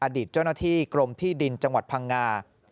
อดีตเจ้าหน้าที่กรมที่ดินจังหวัดพังงา